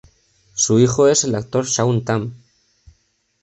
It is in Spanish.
Su hijo es el actor Shaun Tam.